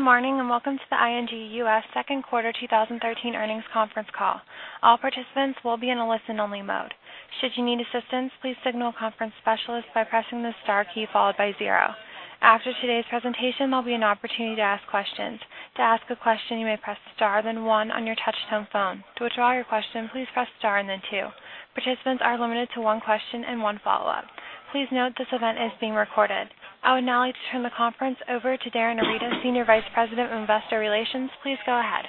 Good morning, and welcome to the ING U.S. second quarter 2013 earnings conference call. All participants will be in a listen-only mode. Should you need assistance, please signal a conference specialist by pressing the star key followed by zero. After today's presentation, there'll be an opportunity to ask questions. To ask a question, you may press star then one on your touch-tone phone. To withdraw your question, please press star and then two. Participants are limited to one question and one follow-up. Please note this event is being recorded. I would now like to turn the conference over to Darin Arita, Senior Vice President of Investor Relations. Please go ahead.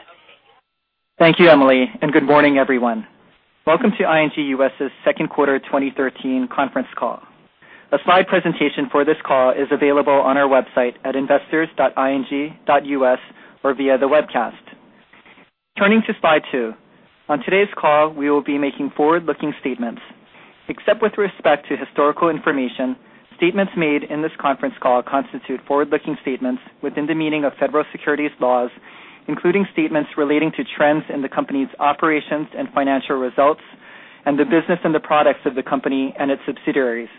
Thank you, Emily, good morning, everyone. Welcome to ING U.S.'s second quarter 2013 conference call. A slide presentation for this call is available on our website at investors.ing.us or via the webcast. Turning to slide two. On today's call, we will be making forward-looking statements. Except with respect to historical information, statements made in this conference call constitute forward-looking statements within the meaning of Federal Securities laws, including statements relating to trends in the company's operations and financial results and the business and the products of the company and its subsidiaries.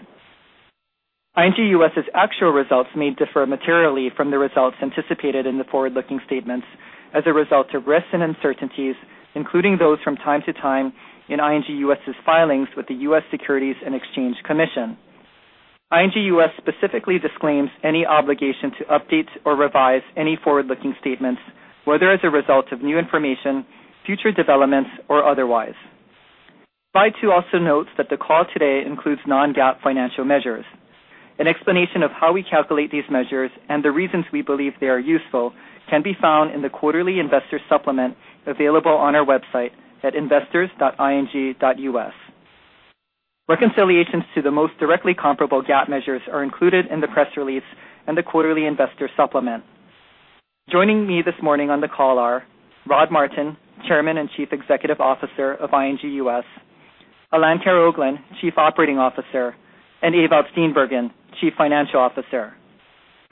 ING U.S.'s actual results may differ materially from the results anticipated in the forward-looking statements as a result of risks and uncertainties, including those from time to time in ING U.S.'s filings with the U.S. Securities and Exchange Commission. ING U.S. specifically disclaims any obligation to update or revise any forward-looking statements, whether as a result of new information, future developments, or otherwise. Slide two also notes that the call today includes non-GAAP financial measures. An explanation of how we calculate these measures and the reasons we believe they are useful can be found in the quarterly investor supplement available on our website at investors.ing.us. Reconciliations to the most directly comparable GAAP measures are included in the press release and the quarterly investor supplement. Joining me this morning on the call are Rod Martin, Chairman and Chief Executive Officer of ING U.S., Alain Karaoglan, Chief Operating Officer, and Ewout Steenbergen, Chief Financial Officer.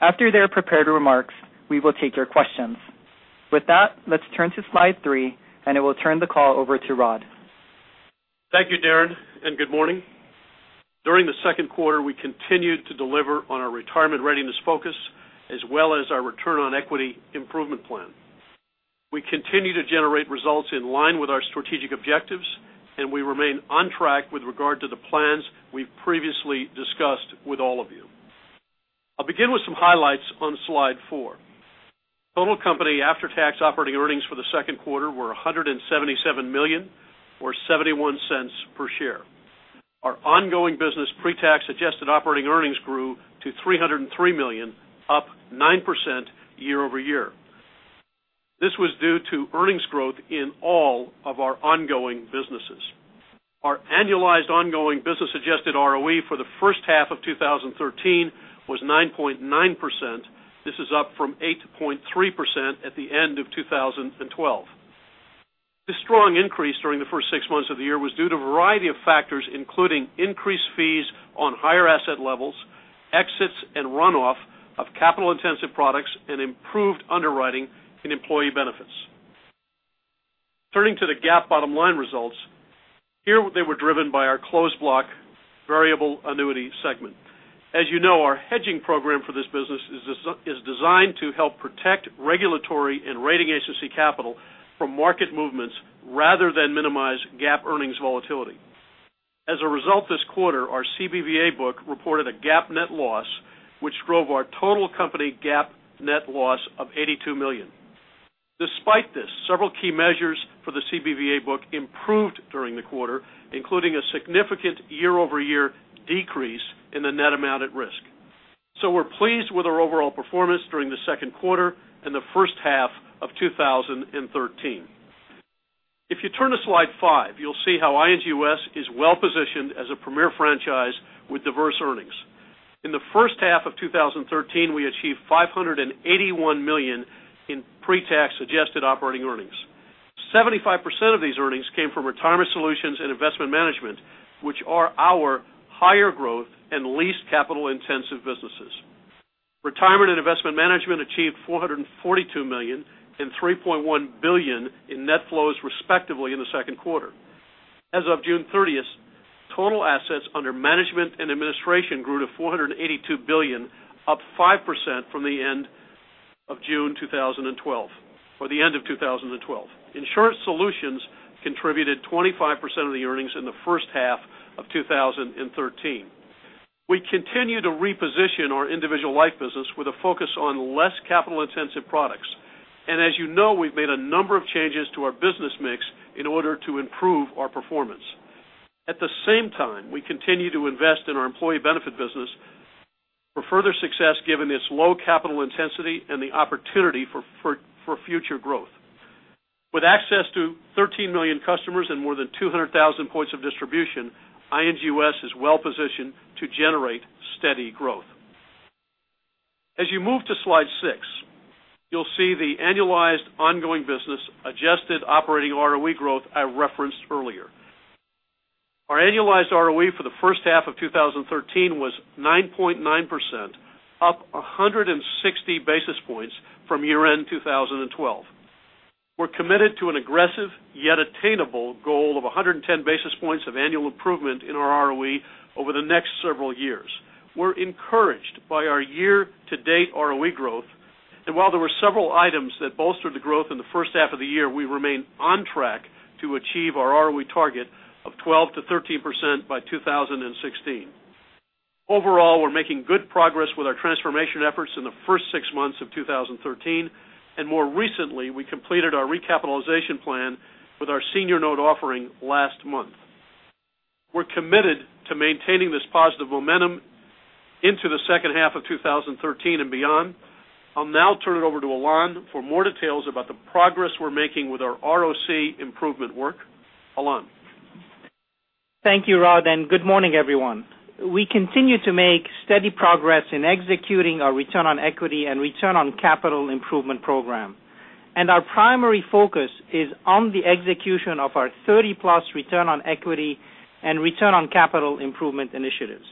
After their prepared remarks, we will take your questions. With that, let's turn to slide three, and I will turn the call over to Rod. Thank you, Darin, good morning. During the second quarter, we continued to deliver on our retirement readiness focus as well as our return on equity improvement plan. We continue to generate results in line with our strategic objectives, and we remain on track with regard to the plans we've previously discussed with all of you. I'll begin with some highlights on slide four. Total company after-tax operating earnings for the second quarter were $177 million, or $0.71 per share. Our ongoing business pre-tax adjusted operating earnings grew to $303 million, up 9% year-over-year. This was due to earnings growth in all of our ongoing businesses. Our annualized ongoing business-adjusted ROE for the first half of 2013 was 9.9%. This is up from 8.3% at the end of 2012. This strong increase during the first six months of the year was due to a variety of factors, including increased fees on higher asset levels, exits and runoff of capital-intensive products, and improved underwriting in employee benefits. Turning to the GAAP bottom-line results, they were driven by our Closed Block Variable Annuity segment. As you know, our hedging program for this business is designed to help protect regulatory and rating agency capital from market movements rather than minimize GAAP earnings volatility. As a result, this quarter, our CBVA book reported a GAAP net loss, which drove our total company GAAP net loss of $82 million. Despite this, several key measures for the CBVA book improved during the quarter, including a significant year-over-year decrease in the net amount at risk. We're pleased with our overall performance during the second quarter and the first half of 2013. If you turn to slide five, you'll see how ING U.S. is well-positioned as a premier franchise with diverse earnings. In the first half of 2013, we achieved $581 million in pre-tax adjusted operating earnings. 75% of these earnings came from Retirement Solutions and Investment Management, which are our higher growth and least capital-intensive businesses. Retirement and Investment Management achieved $442 million and $3.1 billion in net flows, respectively, in the second quarter. As of June 30th, total assets under management and administration grew to $482 billion, up 5% from the end of June 2012, or the end of 2012. Insurance solutions contributed 25% of the earnings in the first half of 2013. We continue to reposition our individual life business with a focus on less capital-intensive products. As you know, we've made a number of changes to our business mix in order to improve our performance. At the same time, we continue to invest in our employee benefit business for further success given its low capital intensity and the opportunity for future growth. With access to 13 million customers and more than 200,000 points of distribution, ING U.S. is well-positioned to generate steady growth. As you move to slide six, you'll see the annualized ongoing business adjusted operating ROE growth I referenced earlier. Our annualized ROE for the first half of 2013 was 9.9%, up 160 basis points from year-end 2012. We're committed to an aggressive, yet attainable goal of 110 basis points of annual improvement in our ROE over the next several years. We're encouraged by our year-to-date ROE growth, and while there were several items that bolstered the growth in the first half of the year, we remain on track to achieve our ROE target of 12%-13% by 2016. Overall, we're making good progress with our transformation efforts in the first six months of 2013. More recently, we completed our recapitalization plan with our senior note offering last month. We're committed to maintaining this positive momentum into the second half of 2013 and beyond. I'll now turn it over to Alain for more details about the progress we're making with our ROC improvement work. Alain. Thank you, Rod, good morning, everyone. We continue to make steady progress in executing our return on equity and return on capital improvement program. Our primary focus is on the execution of our 30-plus return on equity and return on capital improvement initiatives.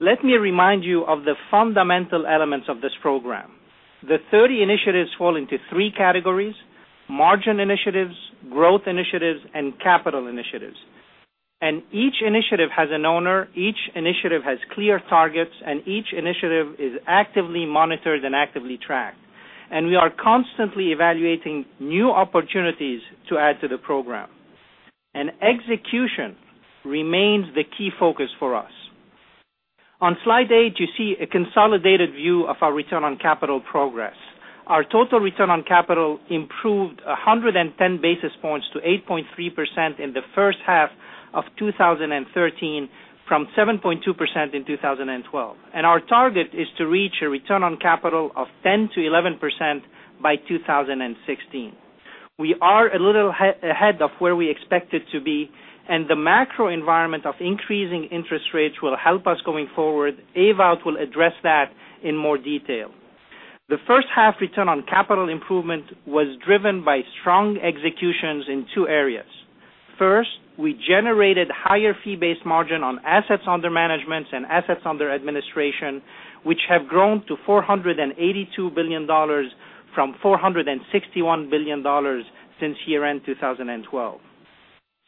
Let me remind you of the fundamental elements of this program. The 30 initiatives fall into three categories: margin initiatives, growth initiatives, and capital initiatives. Each initiative has an owner, each initiative has clear targets, and each initiative is actively monitored and actively tracked. We are constantly evaluating new opportunities to add to the program. Execution remains the key focus for us. On slide eight, you see a consolidated view of our return on capital progress. Our total return on capital improved 110 basis points to 8.3% in the first half of 2013 from 7.2% in 2012. Our target is to reach a return on capital of 10%-11% by 2016. We are a little ahead of where we expected to be, the macro environment of increasing interest rates will help us going forward. Ewout will address that in more detail. The first half return on capital improvement was driven by strong executions in two areas. First, we generated higher fee-based margin on assets under management and assets under administration, which have grown to $482 billion from $461 billion since year-end 2012.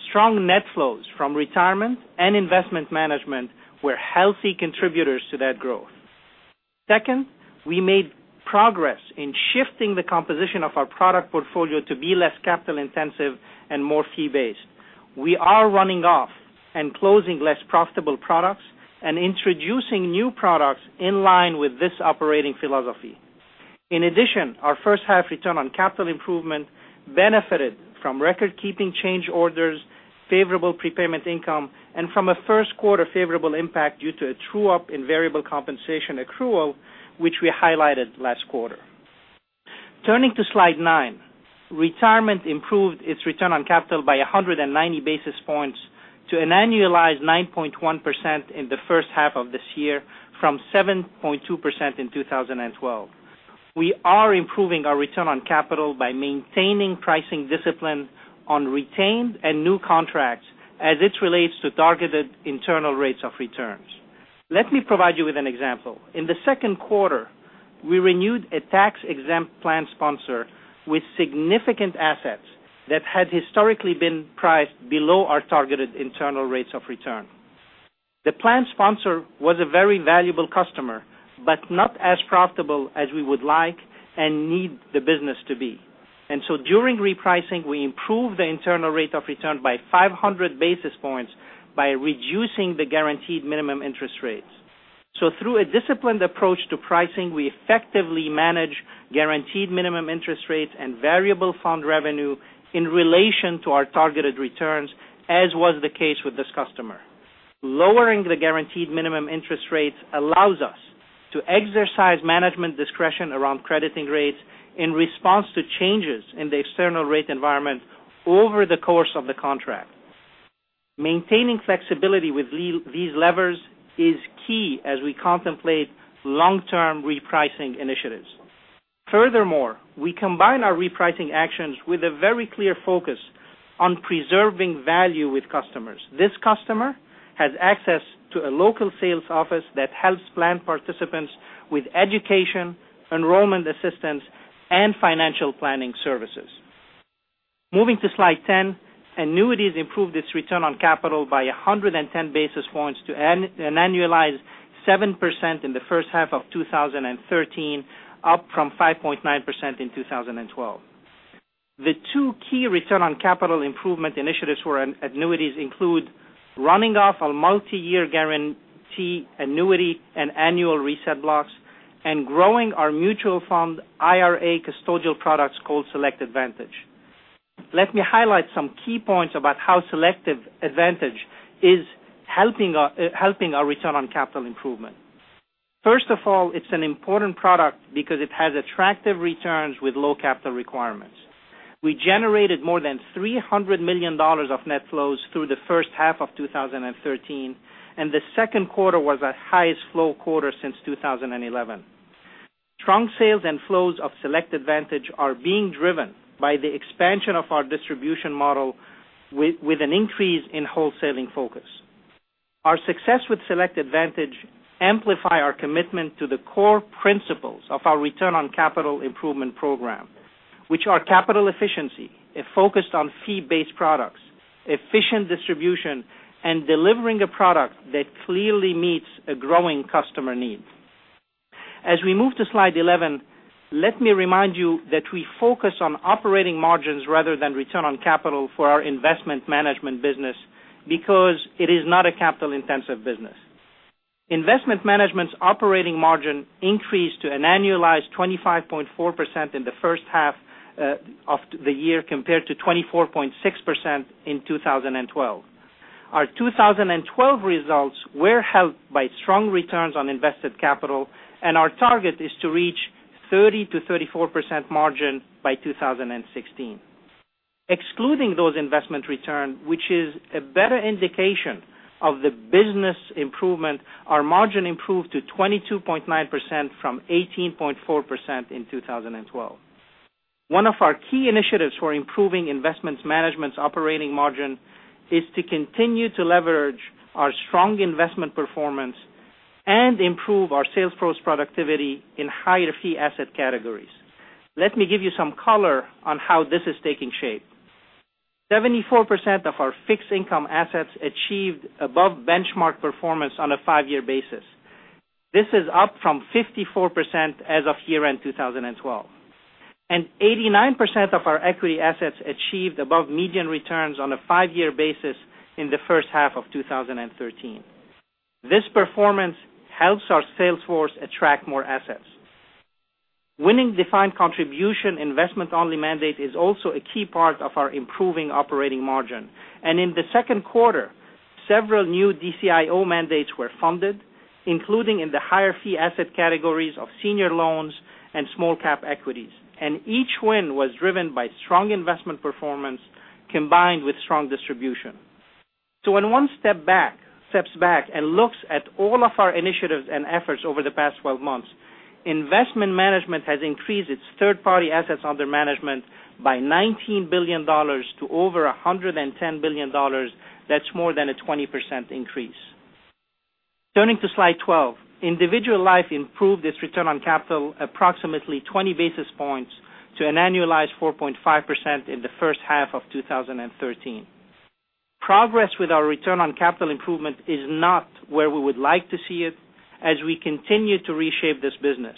Strong net flows from Retirement and Investment Management were healthy contributors to that growth. Second, we made progress in shifting the composition of our product portfolio to be less capital-intensive and more fee-based. We are running off and closing less profitable products and introducing new products in line with this operating philosophy. In addition, our first-half return on capital improvement benefited from record-keeping change orders, favorable prepayment income, and from a first quarter favorable impact due to a true-up in variable compensation accrual, which we highlighted last quarter. Turning to slide nine. Retirement improved its return on capital by 190 basis points to an annualized 9.1% in the first half of this year from 7.2% in 2012. We are improving our return on capital by maintaining pricing discipline on retained and new contracts as it relates to targeted internal rates of returns. Let me provide you with an example. In the second quarter, we renewed a tax-exempt plan sponsor with significant assets that had historically been priced below our targeted internal rates of return. The plan sponsor was a very valuable customer, but not as profitable as we would like and need the business to be. During repricing, we improved the internal rate of return by 500 basis points by reducing the guaranteed minimum interest rates. Through a disciplined approach to pricing, we effectively manage guaranteed minimum interest rates and variable fund revenue in relation to our targeted returns, as was the case with this customer. Lowering the guaranteed minimum interest rates allows us to exercise management discretion around crediting rates in response to changes in the external rate environment over the course of the contract. Maintaining flexibility with these levers is key as we contemplate long-term repricing initiatives. Furthermore, we combine our repricing actions with a very clear focus on preserving value with customers. This customer has access to a local sales office that helps plan participants with education, enrollment assistance, and financial planning services. Moving to slide 10. Annuities improved its return on capital by 110 basis points to an annualized 7% in the first half of 2013, up from 5.9% in 2012. The two key return on capital improvement initiatives for annuities include running off on multi-year guarantee annuity and annual reset blocks, and growing our mutual fund IRA custodial products called Voya Select Advantage. Let me highlight some key points about how Voya Select Advantage is helping our return on capital improvement. First of all, it's an important product because it has attractive returns with low capital requirements. We generated more than $300 million of net flows through the first half of 2013, and the second quarter was our highest flow quarter since 2011. Strong sales and flows of Voya Select Advantage are being driven by the expansion of our distribution model with an increase in wholesaling focus. Our success with Voya Select Advantage amplify our commitment to the core principles of our return on capital improvement program, which are capital efficiency, a focus on fee-based products, efficient distribution, and delivering a product that clearly meets a growing customer need. As we move to slide 11, let me remind you that we focus on operating margins rather than return on capital for our Investment Management business because it is not a capital-intensive business. Investment Management's operating margin increased to an annualized 25.4% in the first half of the year, compared to 24.6% in 2012. Our 2012 results were helped by strong returns on invested capital, our target is to reach 30%-34% margin by 2016. Excluding those investment return, which is a better indication of the business improvement, our margin improved to 22.9% from 18.4% in 2012. One of our key initiatives for improving Investment Management's operating margin is to continue to leverage our strong investment performance and improve our sales force productivity in higher fee asset categories. Let me give you some color on how this is taking shape. 74% of our fixed income assets achieved above benchmark performance on a five-year basis. This is up from 54% as of year-end 2012. 89% of our equity assets achieved above median returns on a five-year basis in the first half of 2013. This performance helps our sales force attract more assets. Winning defined contribution investment-only mandate is also a key part of our improving operating margin. In the second quarter, several new DCIO mandates were funded, including in the higher fee asset categories of senior loans and small cap equities. Each win was driven by strong investment performance combined with strong distribution. When one steps back and looks at all of our initiatives and efforts over the past 12 months, Investment Management has increased its third-party assets under management by $19 billion to over $110 billion. That's more than a 20% increase. Turning to slide 12, Individual Life improved its return on capital approximately 20 basis points to an annualized 4.5% in the first half of 2013. Progress with our return on capital improvement is not where we would like to see it as we continue to reshape this business.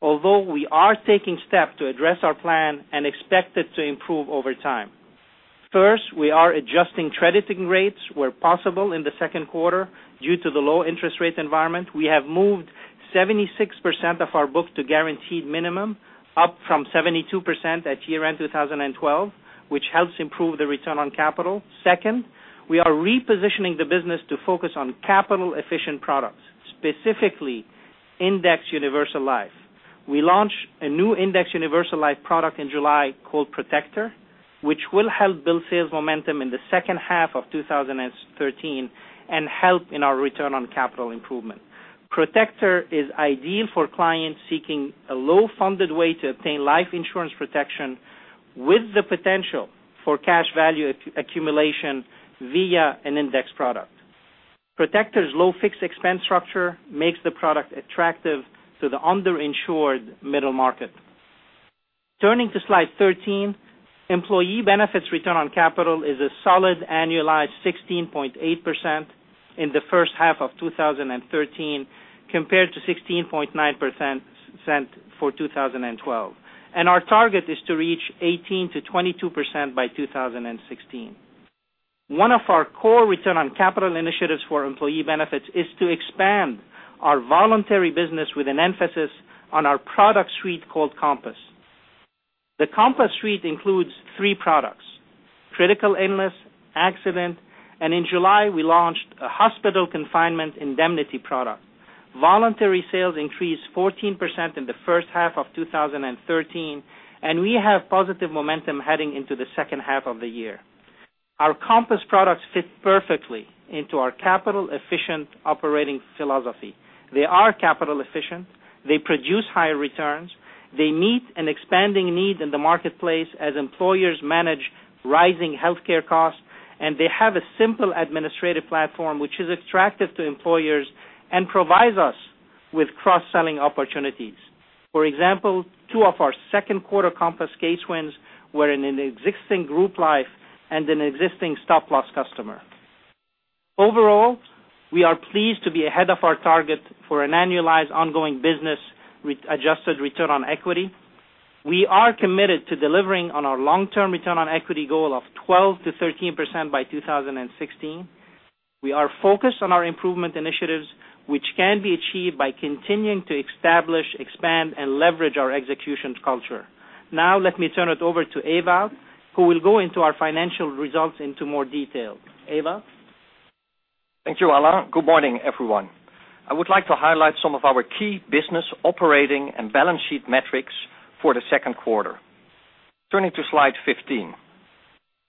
We are taking steps to address our plan and expect it to improve over time. First, we are adjusting crediting rates where possible in the second quarter due to the low interest rate environment. We have moved 76% of our book to guaranteed minimum, up from 72% at year-end 2012, which helps improve the return on capital. Second, we are repositioning the business to focus on capital-efficient products, specifically indexed universal life. We launched a new indexed universal life product in July called Protector, which will help build sales momentum in the second half of 2013 and help in our return on capital improvement. Protector is ideal for clients seeking a low-funded way to obtain life insurance protection with the potential for cash value accumulation via an index product. Protector's low fixed expense structure makes the product attractive to the under-insured middle market. Turning to slide 13, Employee Benefits return on capital is a solid annualized 16.8% in the first half of 2013, compared to 16.9% for 2012. Our target is to reach 18%-22% by 2016. One of our core return on capital initiatives for Employee Benefits is to expand our voluntary business with an emphasis on our product suite called Compass. The Compass suite includes three products, critical illness, accident, and in July, we launched a hospital confinement indemnity product. Voluntary sales increased 14% in the first half of 2013. We have positive momentum heading into the second half of the year. Our Compass products fit perfectly into our capital-efficient operating philosophy. They are capital efficient, they produce high returns, they meet an expanding need in the marketplace as employers manage rising healthcare costs. They have a simple administrative platform which is attractive to employers and provides us with cross-selling opportunities. For example, two of our second quarter Compass case wins were in an existing group life and an existing stop loss customer. Overall, we are pleased to be ahead of our target for an annualized ongoing business adjusted return on equity. We are committed to delivering on our long-term return on equity goal of 12%-13% by 2016. We are focused on our improvement initiatives, which can be achieved by continuing to establish, expand, and leverage our execution culture. Let me turn it over to Ewout, who will go into our financial results into more detail. Ewout? Thank you, Alain. Good morning, everyone. I would like to highlight some of our key business operating and balance sheet metrics for the second quarter. Turning to slide 15.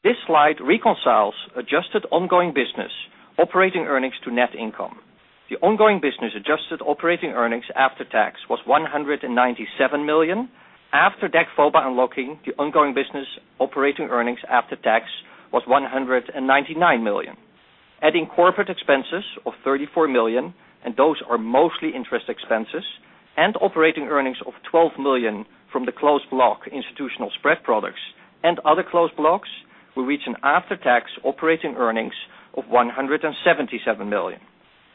This slide reconciles adjusted ongoing business operating earnings to net income. The ongoing business adjusted operating earnings after tax was $197 million. After DAC VOBA unlocking, the ongoing business operating earnings after tax was $199 million. Adding corporate expenses of $34 million, those are mostly interest expenses. Operating earnings of $12 million from the Closed Block Institutional Spread Products and other Closed Blocks, we reach an after-tax operating earnings of $177 million.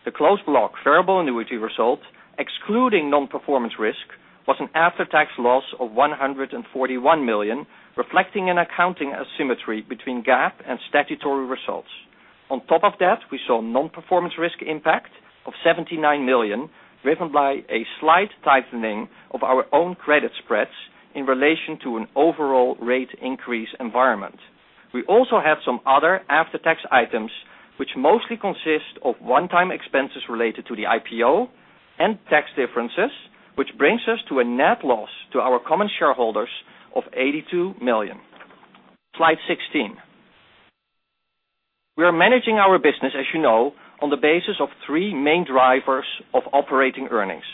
The Closed Block Variable Annuity result, excluding non-performance risk, was an after-tax loss of $141 million, reflecting an accounting asymmetry between GAAP and statutory results. On top of that, we saw non-performance risk impact of $79 million, driven by a slight tightening of our own credit spreads in relation to an overall rate increase environment. We also have some other after-tax items, which mostly consist of one-time expenses related to the IPO and tax differences, which brings us to a net loss to our common shareholders of $82 million. Slide 16. We are managing our business, as you know, on the basis of three main drivers of operating earnings.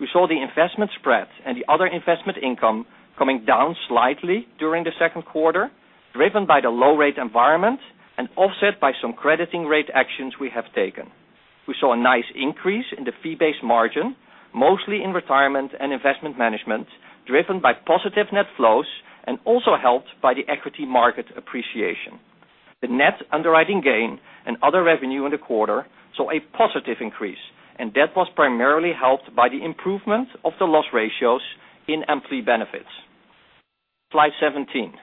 We saw the investment spread and the other investment income coming down slightly during the second quarter, driven by the low rate environment and offset by some crediting rate actions we have taken. We saw a nice increase in the fee-based margin, mostly in Retirement and Investment Management, driven by positive net flows and also helped by the equity market appreciation. The net underwriting gain and other revenue in the quarter saw a positive increase, that was primarily helped by the improvement of the loss ratios in Employee Benefits. Slide 17.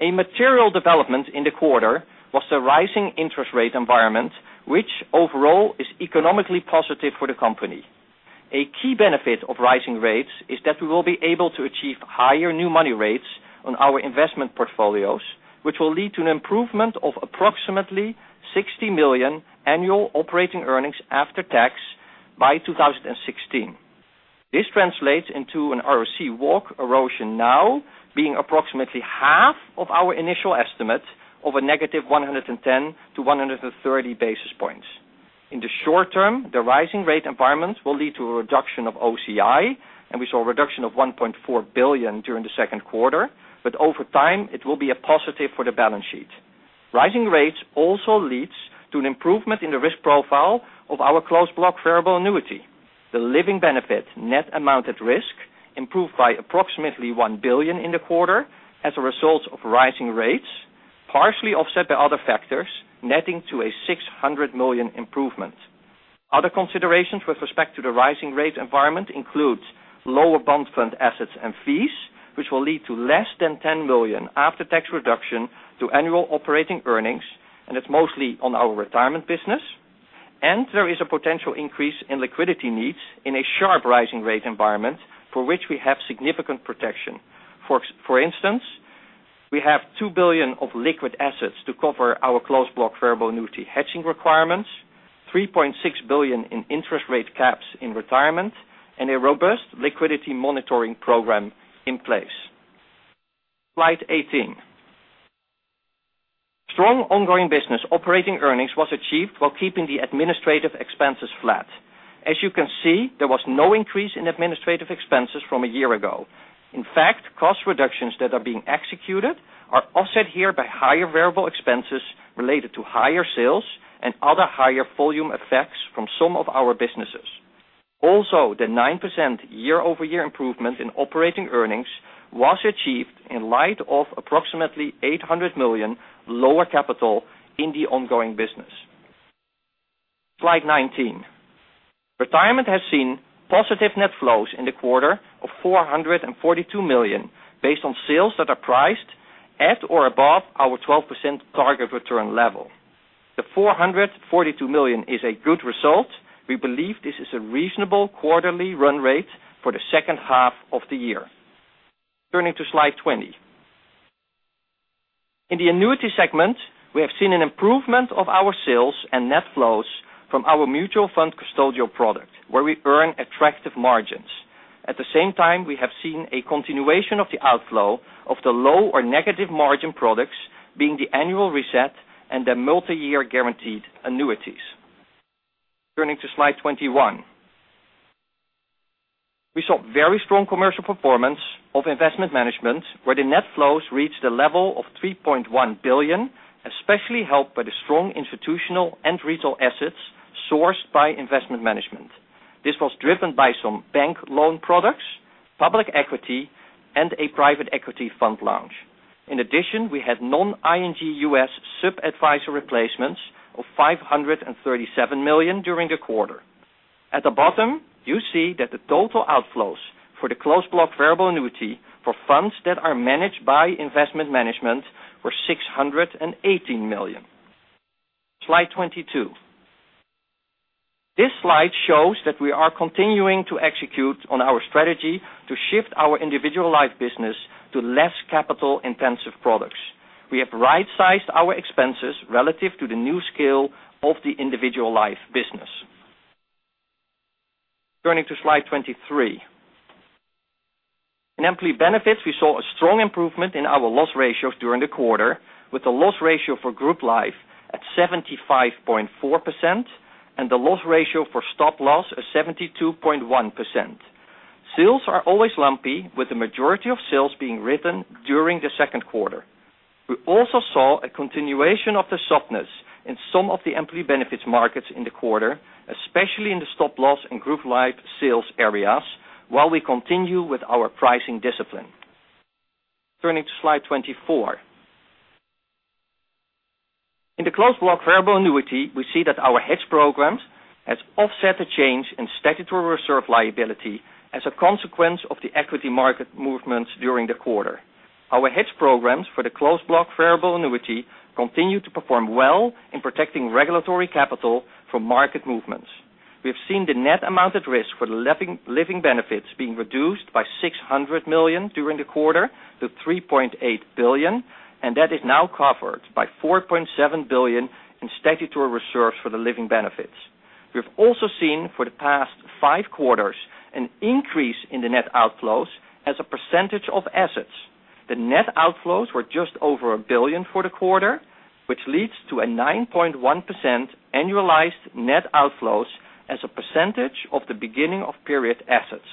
A material development in the quarter was the rising interest rate environment, which overall is economically positive for the company. A key benefit of rising rates is that we will be able to achieve higher new money rates on our investment portfolios, which will lead to an improvement of approximately $60 million annual operating earnings after tax by 2016. This translates into an ROC walk erosion now being approximately half of our initial estimate of a negative 110 to 130 basis points. In the short term, the rising rate environment will lead to a reduction of OCI, we saw a reduction of $1.4 billion during the second quarter, over time, it will be a positive for the balance sheet. Rising rates also leads to an improvement in the risk profile of our Closed Block Variable Annuity. The living benefit net amount at risk improved by approximately $1 billion in the quarter as a result of rising rates, partially offset by other factors, netting to a $600 million improvement. Other considerations with respect to the rising rate environment includes lower bond fund assets and fees, which will lead to less than $10 million after tax reduction to annual operating earnings, and it's mostly on our Retirement business. There is a potential increase in liquidity needs in a sharp rising rate environment for which we have significant protection. For instance, we have $2 billion of liquid assets to cover our Closed Block Variable Annuity hedging requirements, $3.6 billion in interest rate caps in Retirement, and a robust liquidity monitoring program in place. Slide 18. Strong ongoing business operating earnings was achieved while keeping the administrative expenses flat. As you can see, there was no increase in administrative expenses from a year ago. In fact, cost reductions that are being executed are offset here by higher variable expenses related to higher sales and other higher volume effects from some of our businesses. Also, the 9% year-over-year improvement in operating earnings was achieved in light of approximately $800 million lower capital in the ongoing business. Slide 19. Retirement has seen positive net flows in the quarter of $442 million based on sales that are priced at or above our 12% target return level. The $442 million is a good result. We believe this is a reasonable quarterly run rate for the second half of the year. Turning to slide 20. In the annuity segment, we have seen an improvement of our sales and net flows from our mutual fund custodial product, where we earn attractive margins. At the same time, we have seen a continuation of the outflow of the low or negative margin products being the annual reset and the multi-year guaranteed annuities. Turning to slide 21. We saw very strong commercial performance of Investment Management, where the net flows reached a level of $3.1 billion, especially helped by the strong institutional and retail assets sourced by Investment Management. This was driven by some bank loan products, public equity, and a private equity fund launch. In addition, we had non-ING U.S. sub-advisory replacements of $537 million during the quarter. At the bottom, you see that the total outflows for the Closed Block Variable Annuity for funds that are managed by Investment Management were $618 million. Slide 22. This slide shows that we are continuing to execute on our strategy to shift our individual life business to less capital-intensive products. We have right-sized our expenses relative to the new scale of the individual life business. Turning to slide 23. In employee benefits, we saw a strong improvement in our loss ratios during the quarter, with the loss ratio for group life at 75.4% and the loss ratio for stop-loss at 72.1%. Sales are always lumpy, with the majority of sales being written during the second quarter. We also saw a continuation of the softness in some of the employee benefits markets in the quarter, especially in the stop-loss and group life sales areas, while we continue with our pricing discipline. Turning to slide 24. In the Closed Block Variable Annuity, we see that our hedge programs has offset the change in statutory reserve liability as a consequence of the equity market movements during the quarter. Our hedge programs for the Closed Block Variable Annuity continue to perform well in protecting regulatory capital from market movements. We have seen the net amount at risk for the living benefits being reduced by $600 million during the quarter to $3.8 billion, and that is now covered by $4.7 billion in statutory reserves for the living benefits. We have also seen, for the past five quarters, an increase in the net outflows as a percentage of assets. The net outflows were just over $1 billion for the quarter, which leads to a 9.1% annualized net outflows as a percentage of the beginning of period assets.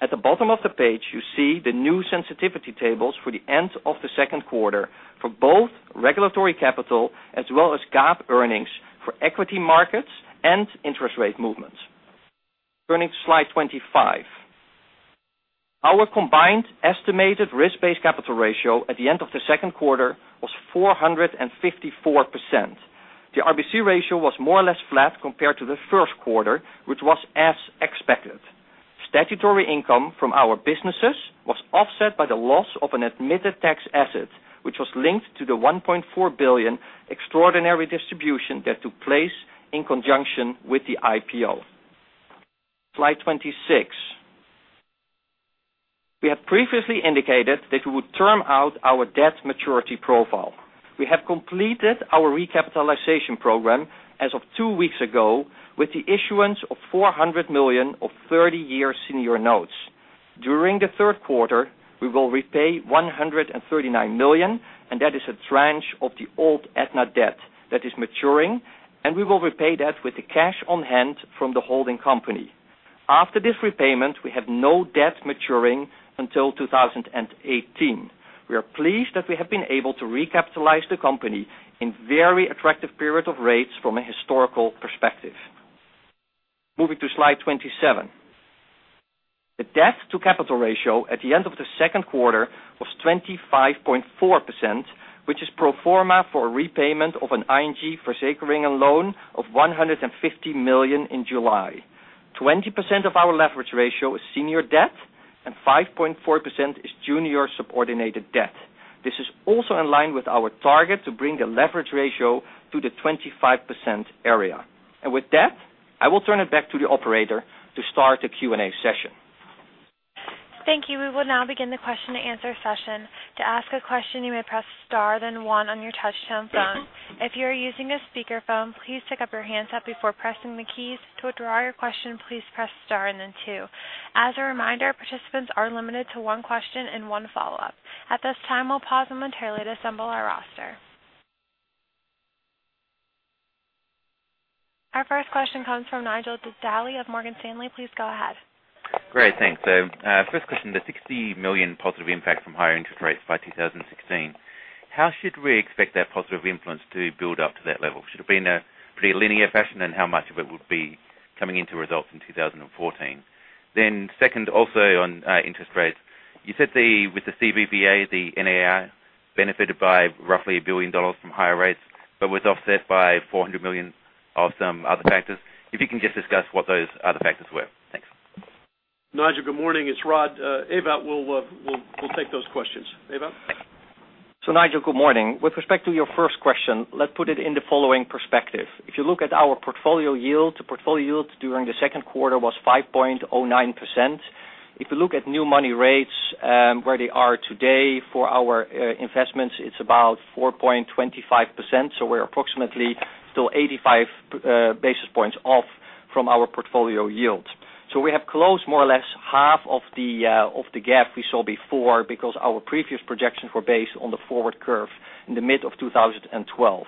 At the bottom of the page, you see the new sensitivity tables for the end of the second quarter for both regulatory capital as well as GAAP earnings for equity markets and interest rate movements. Turning to slide 25. Our combined estimated risk-based capital ratio at the end of the second quarter was 454%. The RBC ratio was more or less flat compared to the first quarter, which was as expected. Statutory income from our businesses was offset by the loss of an admitted tax asset, which was linked to the $1.4 billion extraordinary distribution that took place in conjunction with the IPO. Slide 26. We have previously indicated that we would term out our debt maturity profile. We have completed our recapitalization program as of two weeks ago, with the issuance of $400 million of 30-year senior notes. During the third quarter, we will repay $139 million, that is a tranche of the old Aetna debt that is maturing, and we will repay that with the cash on hand from the holding company. After this repayment, we have no debt maturing until 2018. We are pleased that we have been able to recapitalize the company in very attractive period of rates from a historical perspective. Moving to slide 27. The debt-to-capital ratio at the end of the second quarter was 25.4%, which is pro forma for a repayment of an ING Verzekeringen loan of $150 million in July. 20% of our leverage ratio is senior debt, and 5.4% is junior subordinated debt. This is also in line with our target to bring the leverage ratio to the 25% area. With that, I will turn it back to the operator to start the Q&A session. Thank you. We will now begin the question and answer session. To ask a question, you may press star, then one on your touchtone phone. If you are using a speakerphone, please pick up your handset before pressing the keys. To withdraw your question, please press star and then two. As a reminder, participants are limited to one question and one follow-up. At this time, we will pause momentarily to assemble our roster. Our first question comes from Nigel Dally of Morgan Stanley. Please go ahead. Great, thanks. First question, the $60 million positive impact from higher interest rates by 2016. How should we expect that positive influence to build up to that level? Should it be in a pretty linear fashion, and how much of it would be coming into results in 2014? Second, also on interest rates. You said with the CBVA, the NAR benefited by roughly $1 billion from higher rates but was offset by $400 million of some other factors. If you can just discuss what those other factors were. Thanks. Nigel, good morning. It is Rod. Ewout will take those questions. Ewout? Nigel, good morning. With respect to your first question, let's put it in the following perspective. If you look at our portfolio yield, the portfolio yield during the second quarter was 5.09%. If you look at new money rates, where they are today for our investments, it's about 4.25%. We're approximately still 85 basis points off from our portfolio yield. We have closed more or less half of the gap we saw before because our previous projections were based on the forward curve in the mid of 2012.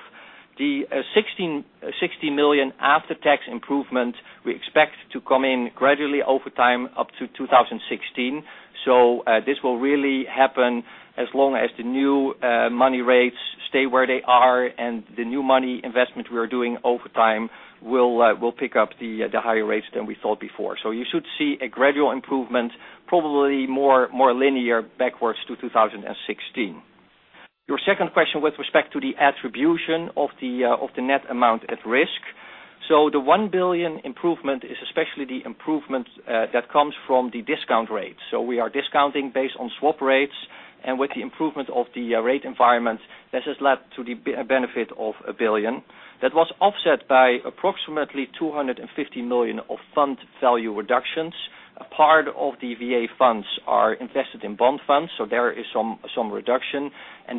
The $60 million after-tax improvement we expect to come in gradually over time up to 2016. This will really happen as long as the new money rates stay where they are and the new money investment we are doing over time will pick up the higher rates than we thought before. You should see a gradual improvement, probably more linear backwards to 2016. Your second question with respect to the attribution of the net amount at risk. The $1 billion improvement is especially the improvement that comes from the discount rate. We are discounting based on swap rates, and with the improvement of the rate environment, this has led to the benefit of $1 billion. That was offset by approximately $250 million of fund value reductions A part of the VA funds are invested in bond funds, there is some reduction.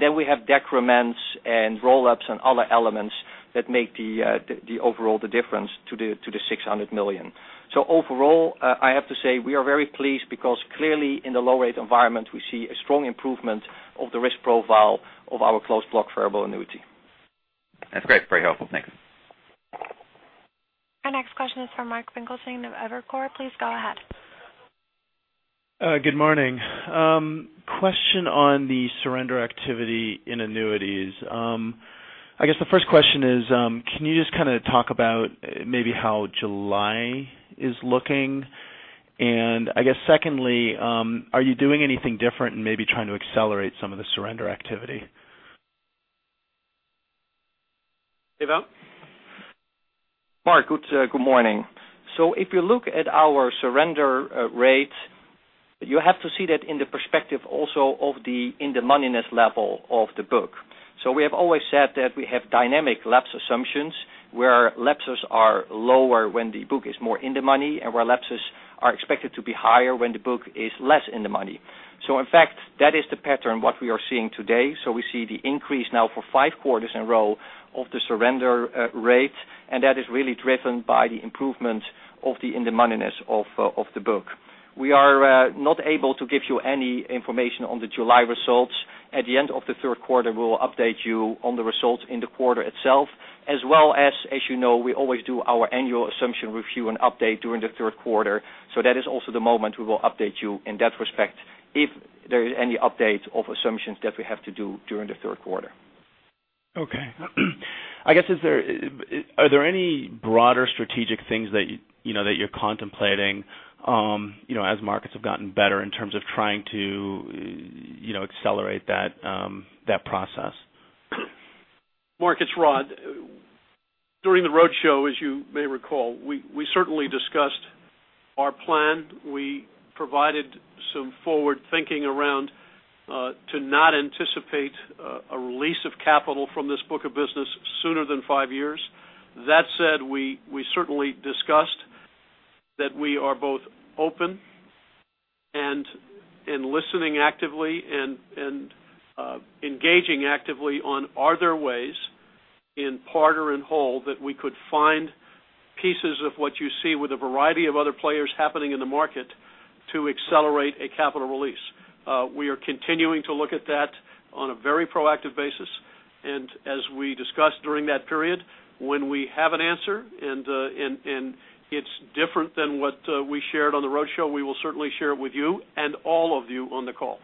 Then we have decrements and roll-ups and other elements that make the overall difference to the $600 million. Overall, I have to say we are very pleased because clearly in the low-rate environment, we see a strong improvement of the risk profile of our Closed Block Variable Annuity. That's great. Very helpful. Thanks. Our next question is from Mark Finkelstein of Evercore. Please go ahead. Good morning. Question on the surrender activity in annuities. I guess the first question is, can you just kind of talk about maybe how July is looking? I guess secondly, are you doing anything different in maybe trying to accelerate some of the surrender activity? Alain? Mark, good morning. If you look at our surrender rate, you have to see that in the perspective also of the in-the-moneyness level of the book. We have always said that we have dynamic lapse assumptions, where lapses are lower when the book is more in the money and where lapses are expected to be higher when the book is less in the money. In fact, that is the pattern, what we are seeing today. We see the increase now for five quarters in a row of the surrender rate, and that is really driven by the improvement of the in-the-moneyness of the book. We are not able to give you any information on the July results. At the end of the third quarter, we'll update you on the results in the quarter itself, as well as you know, we always do our annual assumption review and update during the third quarter. That is also the moment we will update you in that respect, if there is any update of assumptions that we have to do during the third quarter. Okay. I guess, are there any broader strategic things that you're contemplating as markets have gotten better in terms of trying to accelerate that process? Mark, it's Rod. During the roadshow, as you may recall, we certainly discussed our plan. We provided some forward thinking around to not anticipate a release of capital from this book of business sooner than five years. That said, we certainly discussed that we are both open and listening actively and engaging actively on are there ways, in part or in whole, that we could find pieces of what you see with a variety of other players happening in the market to accelerate a capital release. We are continuing to look at that on a very proactive basis, and as we discussed during that period, when we have an answer, and it's different than what we shared on the roadshow, we will certainly share it with you and all of you on the call.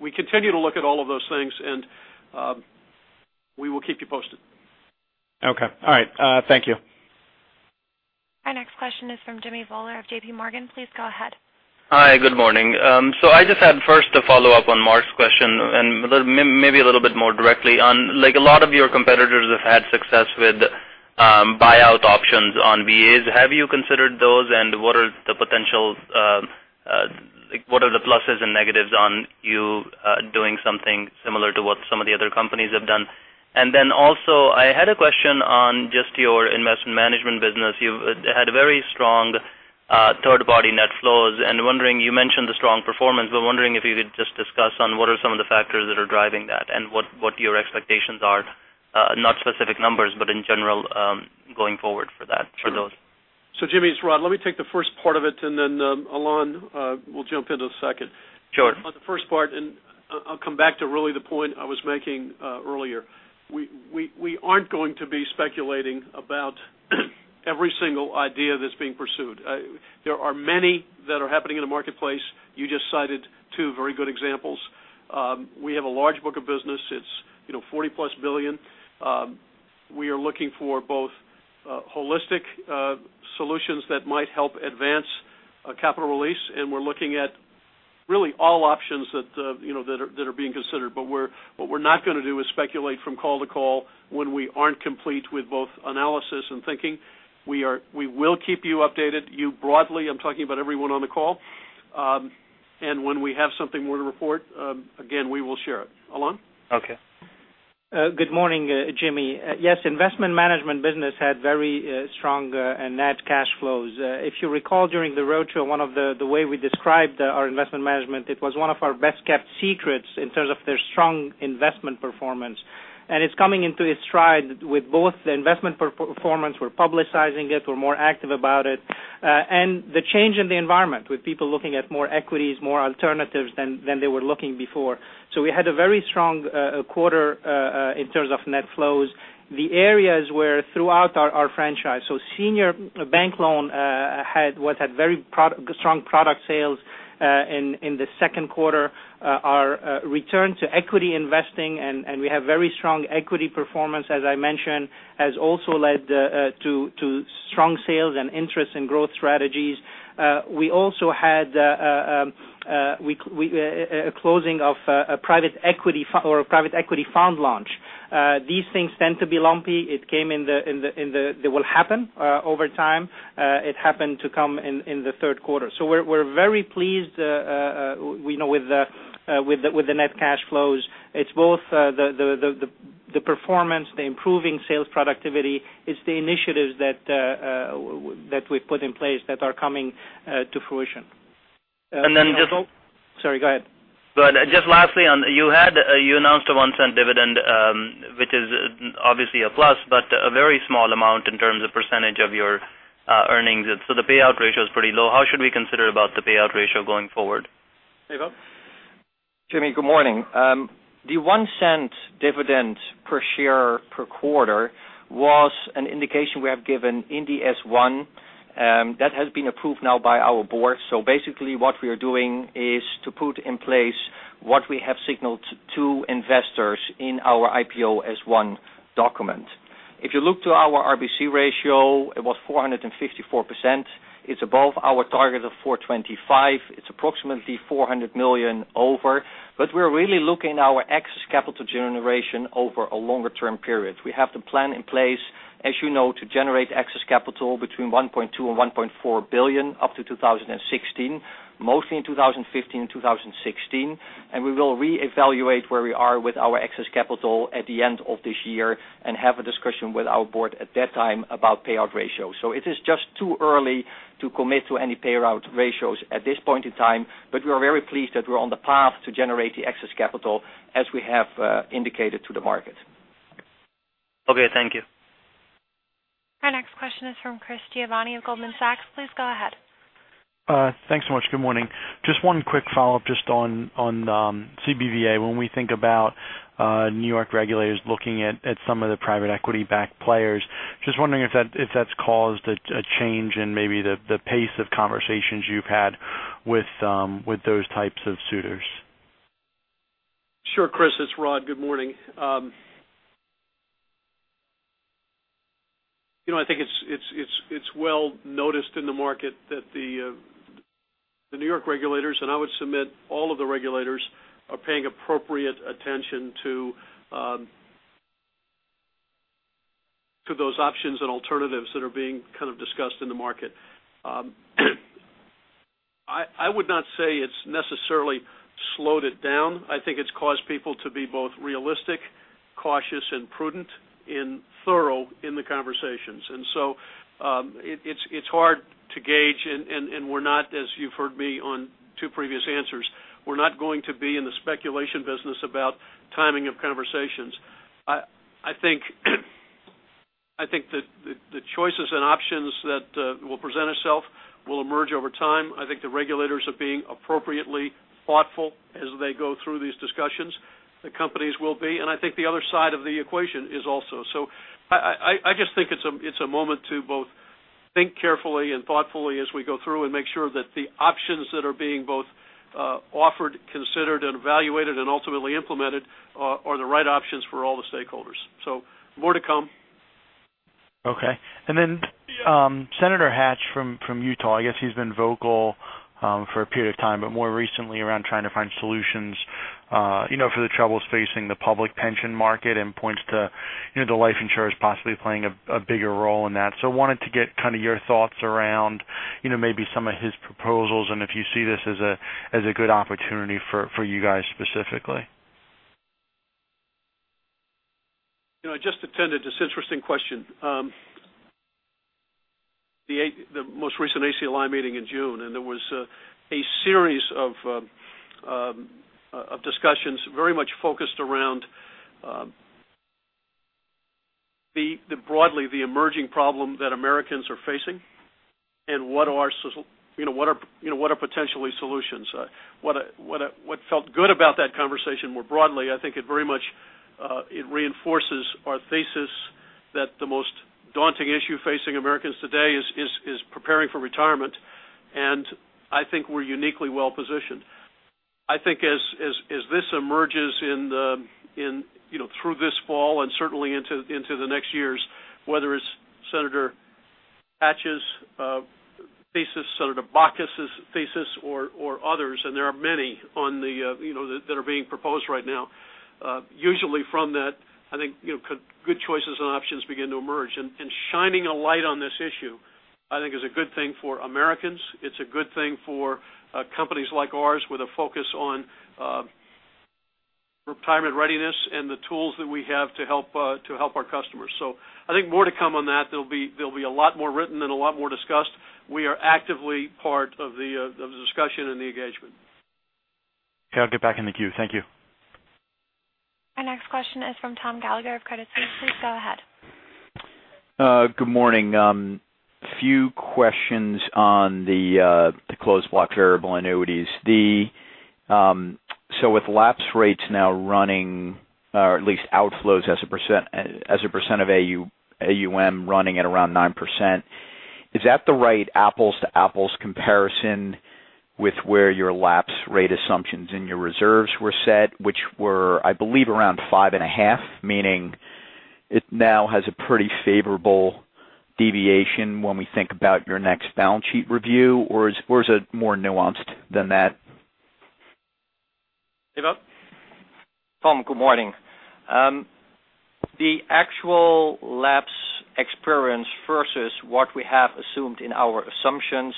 We continue to look at all of those things, and we will keep you posted. Okay. All right. Thank you. Our next question is from Jimmy Bhullar of J.P. Morgan. Please go ahead. Hi. Good morning. I just had first a follow-up on Mark's question, and maybe a little bit more directly on, a lot of your competitors have had success with buyout options on VAs. Have you considered those, and what are the pluses and negatives on you doing something similar to what some of the other companies have done? Also, I had a question on just your Investment Management business. You've had very strong third-party net flows. You mentioned the strong performance, but wondering if you could just discuss on what are some of the factors that are driving that and what your expectations are, not specific numbers, but in general, going forward for those. Jimmy, it's Rod. Let me take the first part of it and then Alain will jump into the second. Sure. On the first part, I'll come back to really the point I was making earlier. We aren't going to be speculating about every single idea that's being pursued. There are many that are happening in the marketplace. You just cited two very good examples. We have a large book of business. It's $40-plus billion. We are looking for both holistic solutions that might help advance capital release, and we're looking at really all options that are being considered. What we're not going to do is speculate from call to call when we aren't complete with both analysis and thinking. We will keep you updated. You broadly, I'm talking about everyone on the call. When we have something more to report, again, we will share it. Alain? Okay. Good morning, Jimmy. Yes, Investment Management business had very strong net cash flows. If you recall, during the roadshow, one of the ways we described our Investment Management, it was one of our best-kept secrets in terms of their strong investment performance. It's coming into its stride with both the investment performance, we're publicizing it, we're more active about it. The change in the environment, with people looking at more equities, more alternatives than they were looking before. We had a very strong quarter in terms of net flows. The areas where throughout our franchise, senior bank loan had very strong product sales, in the second quarter. Our return to equity investing, and we have very strong equity performance, as I mentioned, has also led to strong sales and interest in growth strategies. We also had a closing of a private equity fund launch. These things tend to be lumpy. They will happen over time. It happened to come in the third quarter. We're very pleased with the net cash flows. It's both the The performance, the improving sales productivity, it's the initiatives that we've put in place that are coming to fruition. And then just- Sorry, go ahead. Just lastly on, you announced a $0.01 dividend, which is obviously a plus, but a very small amount in terms of percentage of your earnings. The payout ratio is pretty low. How should we consider about the payout ratio going forward? Ewout. Jimmy, good morning. The $0.01 dividend per share per quarter was an indication we have given in the S-1 that has been approved now by our board. Basically what we are doing is to put in place what we have signaled to investors in our IPO S-1 document. If you look to our RBC ratio, it was 454%. It's above our target of 425%. It's approximately $400 million over. We're really looking our excess capital generation over a longer term period. We have the plan in place, as you know, to generate excess capital between $1.2 billion and $1.4 billion up to 2016, mostly in 2015 and 2016. We will reevaluate where we are with our excess capital at the end of this year and have a discussion with our board at that time about payout ratio. It is just too early to commit to any payout ratios at this point in time, we are very pleased that we're on the path to generate the excess capital as we have indicated to the market. Okay, thank you. Our next question is from Chris Giovanni of Goldman Sachs. Please go ahead. Thanks so much. Good morning. Just one quick follow-up on CBVA. When we think about New York regulators looking at some of the private equity-backed players. Just wondering if that's caused a change in maybe the pace of conversations you've had with those types of suitors. Sure, Chris, it's Rod. Good morning. I think it's well noticed in the market that the New York regulators, and I would submit all of the regulators are paying appropriate attention to those options and alternatives that are being kind of discussed in the market. I would not say it's necessarily slowed it down. I think it's caused people to be both realistic, cautious, and prudent and thorough in the conversations. It's hard to gauge, and we're not, as you've heard me on two previous answers, we're not going to be in the speculation business about timing of conversations. I think the choices and options that will present itself will emerge over time. I think the regulators are being appropriately thoughtful as they go through these discussions. The companies will be. I think the other side of the equation is also. I just think it's a moment to both think carefully and thoughtfully as we go through and make sure that the options that are being both offered, considered, and evaluated, and ultimately implemented are the right options for all the stakeholders. More to come. Okay. Then, Orrin Hatch from Utah, I guess he's been vocal for a period of time, but more recently around trying to find solutions for the troubles facing the public pension market and points to the life insurers possibly playing a bigger role in that. I wanted to get kind of your thoughts around maybe some of his proposals and if you see this as a good opportunity for you guys specifically. This interesting question. I just attended the most recent ACLI meeting in June. There was a series of discussions very much focused around broadly the emerging problem that Americans are facing and what are potentially solutions. What felt good about that conversation more broadly, I think it very much reinforces our thesis that the most daunting issue facing Americans today is preparing for retirement. I think we're uniquely well-positioned. I think as this emerges through this fall and certainly into the next years, whether it's Senator Hatch's thesis, Senator Baucus' thesis or others, there are many that are being proposed right now. Usually from that, I think good choices and options begin to emerge. Shining a light on this issue, I think is a good thing for Americans. It's a good thing for companies like ours with a focus on retirement readiness and the tools that we have to help our customers. I think more to come on that. There'll be a lot more written and a lot more discussed. We are actively part of the discussion and the engagement. Okay. I'll get back in the queue. Thank you. Our next question is from Tom Gallagher of Credit Suisse. Please go ahead. Good morning. Few questions on the Closed Block Variable Annuities. With lapse rates now running, or at least outflows as a percent of AUM running at around 9%, is that the right apples to apples comparison with where your lapse rate assumptions in your reserves were set, which were, I believe, around 5.5%, meaning it now has a pretty favorable deviation when we think about your next balance sheet review? Is it more nuanced than that? Ewout. Tom, good morning. The actual lapse experience versus what we have assumed in our assumptions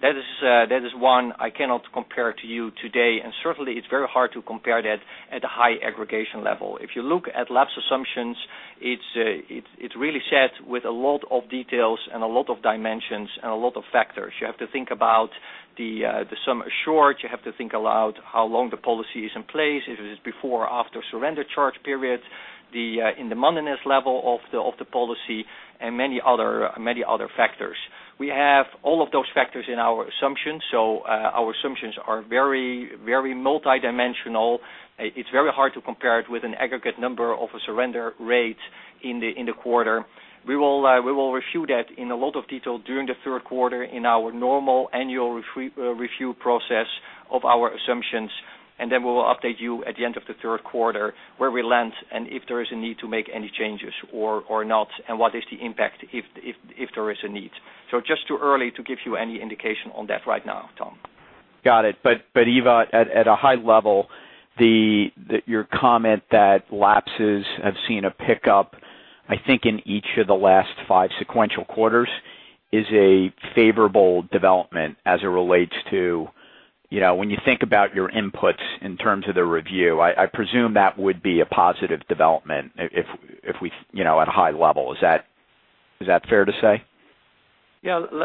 That is one I cannot compare to you today, and certainly it's very hard to compare that at a high aggregation level. If you look at lapse assumptions, it's really set with a lot of details and a lot of dimensions and a lot of factors. You have to think about the sum assured. You have to think about how long the policy is in place, if it is before or after surrender charge periods, in the moneyness level of the policy, and many other factors. We have all of those factors in our assumptions. Our assumptions are very multidimensional. It's very hard to compare it with an aggregate number of a surrender rate in the quarter. We will review that in a lot of detail during the third quarter in our normal annual review process of our assumptions. Then we will update you at the end of the third quarter where we landed and if there is a need to make any changes or not, and what is the impact if there is a need. Just too early to give you any indication on that right now, Tom. Got it. Ewout, at a high level, your comment that lapses have seen a pickup, I think, in each of the last five sequential quarters is a favorable development as it relates to when you think about your inputs in terms of the review. I presume that would be a positive development at a high level. Is that fair to say?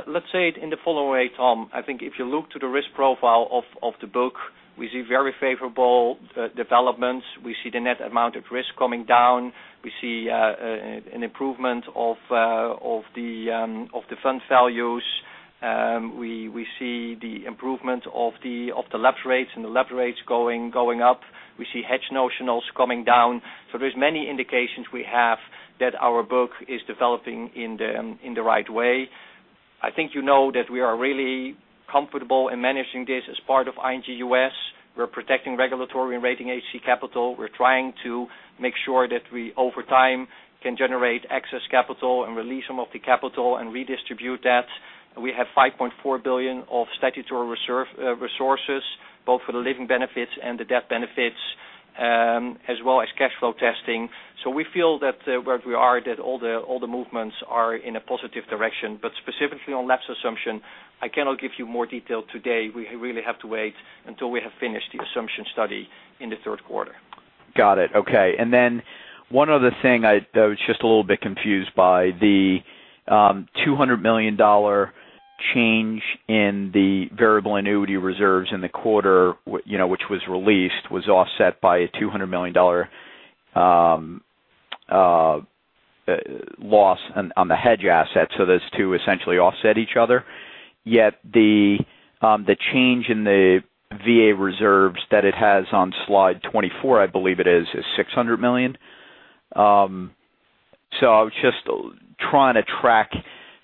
Let's say it in the following way, Tom. I think if you look to the risk profile of the book, we see very favorable developments. We see the net amount of risk coming down. We see an improvement of the fund values. We see the improvement of the lapse rates and the lapse rates going up. We see hedge notionals coming down. There's many indications we have that our book is developing in the right way. I think you know that we are really comfortable in managing this as part of ING U.S. We're protecting regulatory and rating HC capital. We're trying to make sure that we, over time, can generate excess capital and release some of the capital and redistribute that. We have $5.4 billion of statutory resources, both for the living benefits and the death benefits, as well as cash flow testing. We feel that where we are, that all the movements are in a positive direction. Specifically on lapse assumption, I cannot give you more detail today. We really have to wait until we have finished the assumption study in the third quarter. Got it. Okay. One other thing I was just a little bit confused by. The $200 million change in the variable annuity reserves in the quarter which was released, was offset by a $200 million loss on the hedge assets. Those two essentially offset each other. Yet the change in the VA reserves that it has on slide 24, I believe it is $600 million. I was just trying to track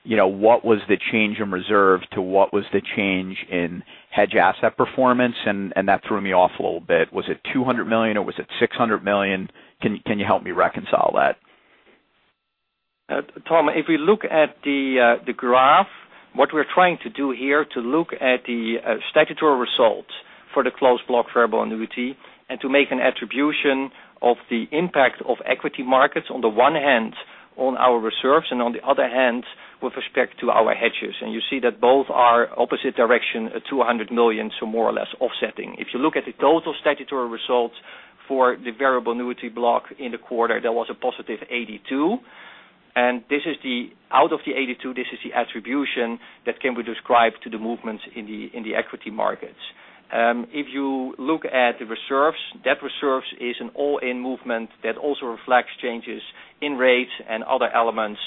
what was the change in reserve to what was the change in hedge asset performance, and that threw me off a little bit. Was it $200 million or was it $600 million? Can you help me reconcile that? Tom, if we look at the graph, what we're trying to do here to look at the statutory results for the Closed Block Variable Annuity and to make an attribution of the impact of equity markets on the one hand on our reserves, and on the other hand, with respect to our hedges. You see that both are opposite direction at $200 million, more or less offsetting. If you look at the total statutory results for the variable annuity block in the quarter, there was a positive $82. Out of the $82, this is the attribution that can be described to the movements in the equity markets. If you look at the reserves, debt reserves is an all-in movement that also reflects changes in rates and other elements.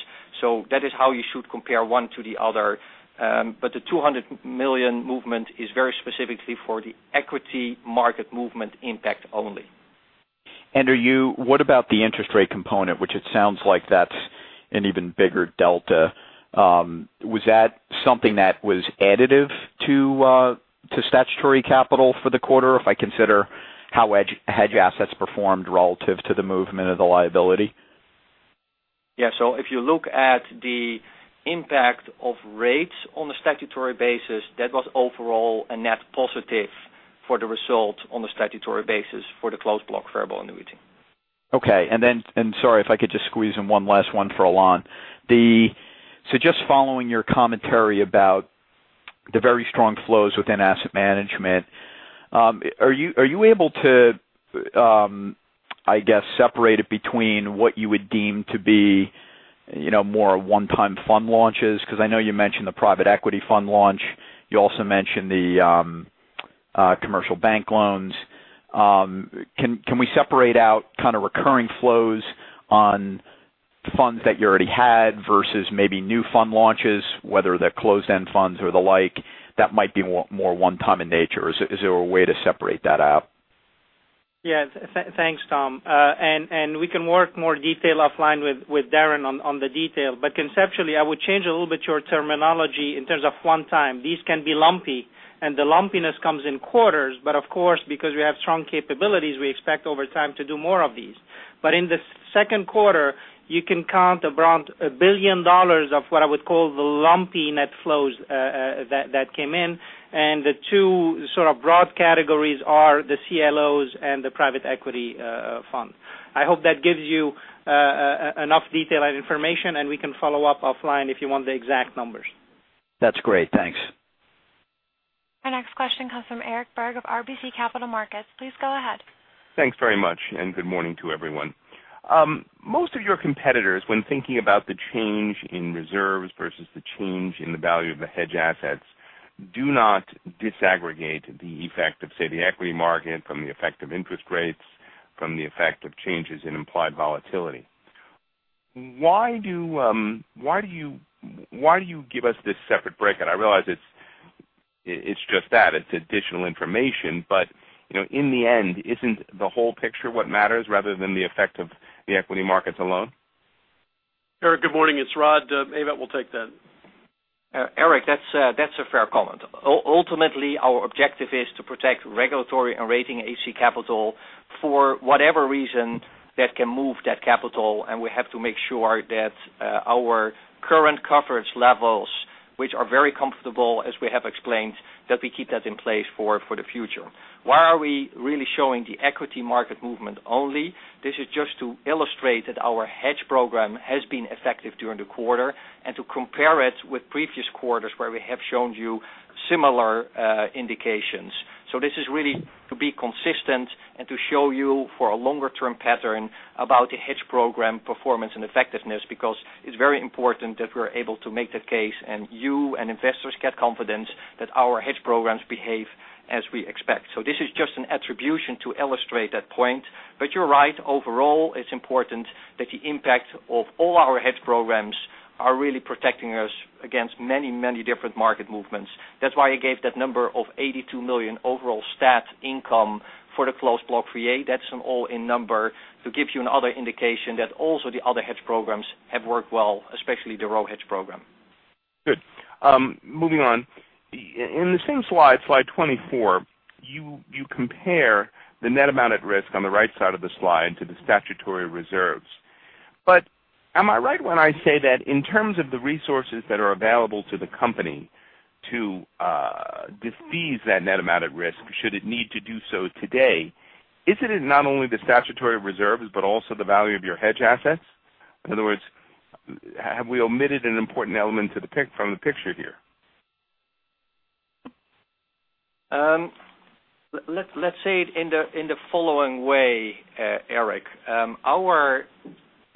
That is how you should compare one to the other. The $200 million movement is very specifically for the equity market movement impact only. What about the interest rate component, which it sounds like that's an even bigger delta. Was that something that was additive to statutory capital for the quarter if I consider how hedge assets performed relative to the movement of the liability? Yeah. If you look at the impact of rates on a statutory basis, that was overall a net positive for the result on a statutory basis for the Closed Block Variable Annuity. Okay. Sorry if I could just squeeze in one last one for Alain. Just following your commentary about the very strong flows within Investment Management. Are you able to, I guess, separate it between what you would deem to be more one-time fund launches? Because I know you mentioned the private equity fund launch. You also mentioned the commercial bank loans. Can we separate out kind of recurring flows on funds that you already had versus maybe new fund launches, whether they're closed-end funds or the like, that might be more one-time in nature? Is there a way to separate that out? Yes. Thanks, Tom. We can work more detail offline with Darin on the detail. Conceptually, I would change a little bit your terminology in terms of one-time. These can be lumpy, and the lumpiness comes in quarters. Of course, because we have strong capabilities, we expect over time to do more of these. In the second quarter, you can count around $1 billion of what I would call the lumpy net flows that came in. The two sort of broad categories are the CLOs and the private equity fund. I hope that gives you enough detail and information, and we can follow up offline if you want the exact numbers. That's great. Thanks. Our next question comes from Eric Berg of RBC Capital Markets. Please go ahead. Thanks very much, good morning to everyone. Most of your competitors, when thinking about the change in reserves versus the change in the value of the hedge assets, do not disaggregate the effect of, say, the equity market from the effect of interest rates, from the effect of changes in implied volatility. Why do you give us this separate break? I realize it's just that, it's additional information, but in the end, isn't the whole picture what matters rather than the effect of the equity markets alone? Eric, good morning. It's Rod. Ewout will take that. Eric, that's a fair comment. Ultimately, our objective is to protect regulatory and rating RBC capital for whatever reason that can move that capital, we have to make sure that our current coverage levels, which are very comfortable as we have explained, that we keep that in place for the future. Why are we really showing the equity market movement only? This is just to illustrate that our hedge program has been effective during the quarter and to compare it with previous quarters where we have shown you similar indications. This is really to be consistent and to show you for a longer-term pattern about the hedge program performance and effectiveness, because it's very important that we're able to make the case you and investors get confidence that our hedge programs behave as we expect. This is just an attribution to illustrate that point. You're right. Overall, it's important that the impact of all our hedge programs are really protecting us against many different market movements. That's why I gave that number of $82 million overall stat income for the Closed Block VA. That's an all-in number to give you another indication that also the other hedge programs have worked well, especially the Rho hedge program. Good. Moving on. In the same slide 24, you compare the net amount at risk on the right side of the slide to the statutory reserves. Am I right when I say that in terms of the resources that are available to the company to defease that net amount at risk, should it need to do so today, isn't it not only the statutory reserves, but also the value of your hedge assets? In other words, have we omitted an important element from the picture here? Let's say it in the following way, Eric. Our